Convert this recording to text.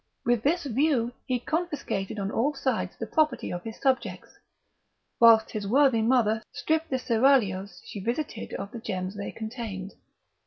With this view he confiscated on all sides the property of his subjects, whilst his worthy mother stripped the seraglios she visited of the gems they contained.